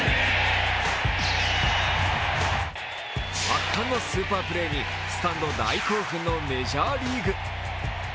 圧巻のスーパープレーにスタンド大興奮のメジャーリーグ。